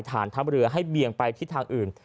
ฐานทัพเรือให้เบียงไปทิศทางอื่น